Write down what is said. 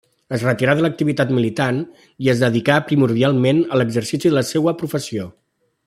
Es retirà de l'activitat militant i es dedicà primordialment a l'exercici de la seua professió.